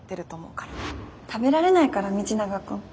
食べられないから道永君。